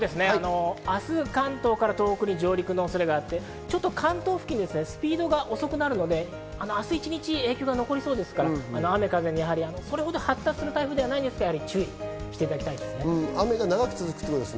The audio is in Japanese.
明日、関東から東北に上陸の恐れがあってスピードが遅くなるので、明日一日影響が残りそうですから雨風にそれほど発達する台風ではないですが注意が必要です。